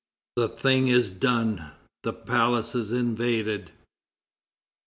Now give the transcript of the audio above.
The thing is done; the palace is invaded.